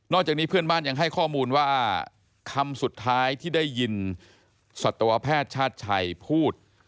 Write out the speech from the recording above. จากนี้เพื่อนบ้านยังให้ข้อมูลว่าคำสุดท้ายที่ได้ยินสัตวแพทย์ชาติชัยพูด